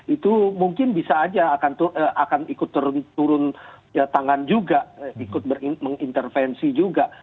itu mungkin bisa saja akan ikut turun tangan juga ikut mengintervensi juga